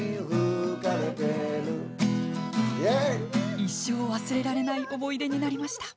一生忘れられない思い出になりました。